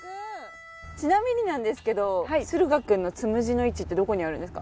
ちなみになんですけどするが君のつむじの位置ってどこにあるんですか？